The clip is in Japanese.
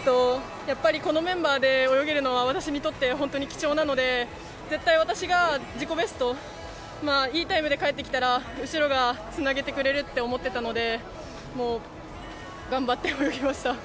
このメンバーで泳げるのは私にとって本当に貴重なので絶対私が自己ベストいいタイムで帰ってきたら後ろがつなげてくれるって思ってたので頑張って泳ぎました。